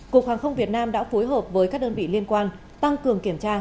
cục hàng không việt nam đã phối hợp với các đơn vị liên quan tăng cường kiểm tra